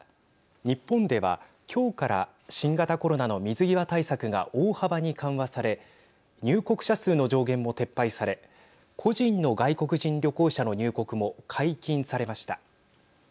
日本では、今日から新型コロナの水際対策が大幅に緩和され入国者数の上限も撤廃され個人の外国人旅行者の入国も解禁されました。